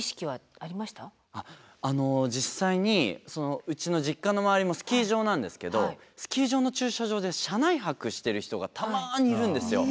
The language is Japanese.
あの実際にうちの実家の周りもスキー場なんですけどスキー場の駐車場で車内泊してる人がたまにいるんですよ。